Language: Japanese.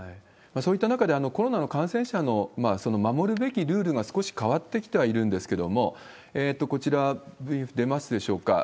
そういった中で、コロナの感染者の守るべきルールが少し変わってきてはいるんですけれども、こちら、出ますでしょうか。